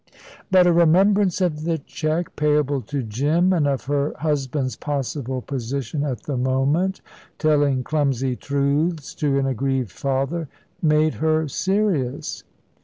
But a remembrance of the cheque payable to Jim and of her husband's possible position at the moment, telling clumsy truths to an aggrieved father, made her serious.